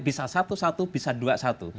bisa satu satu bisa dua satu